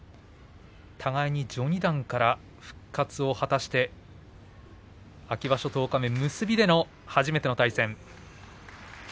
互いに序二段から復活を果たして秋場所十日目結びでの初めての対戦。